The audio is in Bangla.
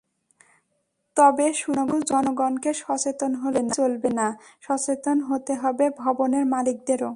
তবে শুধু জনগণকে সচেতন হলেই চলবে না, সচেতন হতে হবে ভবনের মালিকদেরও।